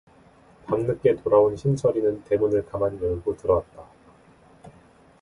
밤늦게 돌아온 신철이는 대문을 가만히 열고 들어왔다.